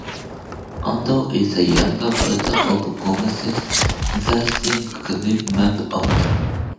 Ondo is the younger brother of Gabonese international Gilles Mbang Ondo.